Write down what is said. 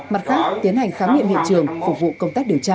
mặt khác tiến hành khám nghiệm hiện trường phục vụ công tác điều tra